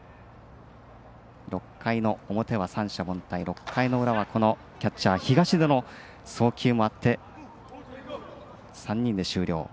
６回の表は三者凡退６回の裏は、キャッチャー東出の送球もあって３人で終了。